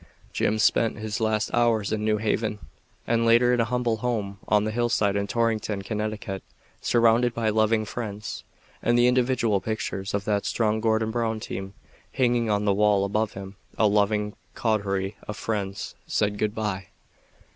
Jim spent his last hours in New Haven, and later in a humble home on the hillside in Torrington, Conn., surrounded by loving friends, and the individual pictures of that strong Gordon Brown team hanging on the wall above him, a loving coterie of friends said good bye.